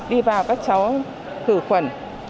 đi vào các cháu thử khuẩn